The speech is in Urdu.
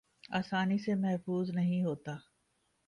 آسانی سے محظوظ نہیں ہوتا